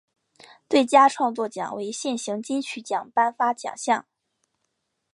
最佳创作奖为现行金曲奖颁发奖项。